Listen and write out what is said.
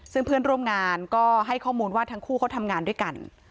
ซึ่งเพื่อนร่วมงานก็ให้ข้อมูลว่าทั้งคู่เขาทำงานด้วยกัน